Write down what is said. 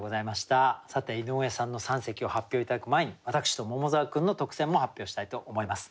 さて井上さんの三席を発表頂く前に私と桃沢君の特選も発表したいと思います。